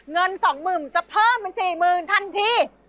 เงินสองหมื่นจะเพิ่มเป็นสี่หมื่นทันที